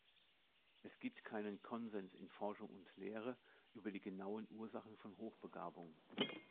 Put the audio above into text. Es gibt keinen Konsens in Forschung und Lehre über die genauen Ursachen von Hochbegabung.